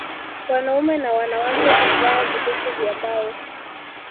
Wanaume na wanawake huvaa vikuku vya mbao